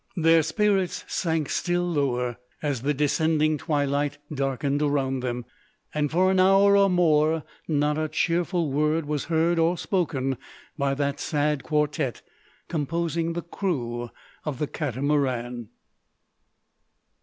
Their spirits sank still lower, as the descending twilight darkened around them; and for an hour or more not a cheerful word was heard or spoken by that sad quartette composing the crew of the Catamaran.